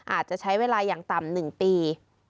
อาจจะใช้เวลาอย่างต่ำ๑ปี